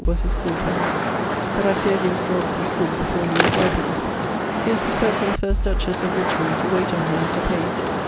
was his schoolefellowe), but I feare he was drawne from schoole before he was ripe enough. He was preferred to the first dutches of Richmond to wayte on her as a page.